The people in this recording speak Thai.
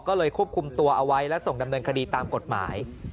ก็เลยควบคุมตัวเอาไว้และส่งดำเนินคดีตามกฎหมาย